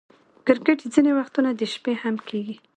کرکټ ځیني وختونه د شپې هم کیږي.